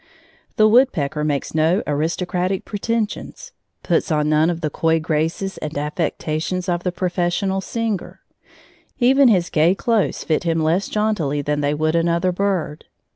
The woodpecker makes no aristocratic pretensions, puts on none of the coy graces and affectations of the professional singer; even his gay clothes fit him less jauntily than they would another bird.